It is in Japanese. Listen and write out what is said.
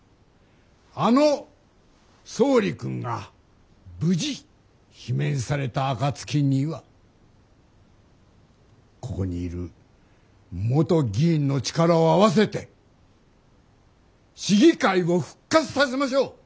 あの総理君が無事罷免された暁にはここにいる元議員の力を合わせて市議会を復活させましょう。